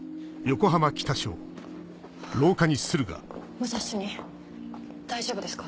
武蔵主任大丈夫ですか？